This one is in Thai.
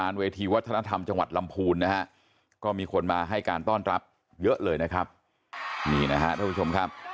นี่นะครับท่านผู้ชมครับ